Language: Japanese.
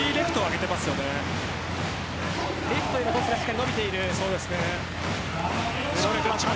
レフトへのトスがしっかり伸びている。